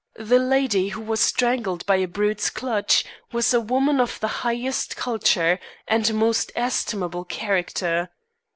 The lady who was strangled by a brute's clutch, was a woman of the highest culture and most estimable character.